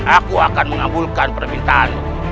aku akan mengabulkan permintaanmu